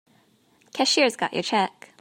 Cashier's got your check.